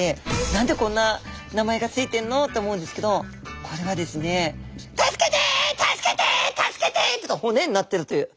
「何でこんな名前が付いてんの？」って思うんですけどこれはですね「助けて助けて助けて」っていうと骨になってるという。